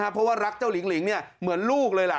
เพราะว่ารักเจ้าหลิงเหมือนลูกเลย